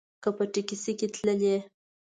که په ټیکسي کې تللې.